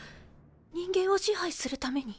人間を支配するために。